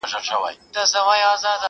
ډېر مي ياديږي دخپلي کلي د خپل غره ملګري.